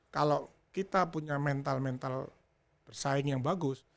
kalau kita punya mental mental bersaing yang bagus